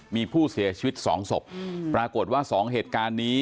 มีผู้เสียชีวิตสองศพปรากฏว่าสองเหตุการณ์นี้